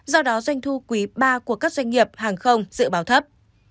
do đó doanh thu quý ba của các doanh nghiệp hàng không dự báo thấp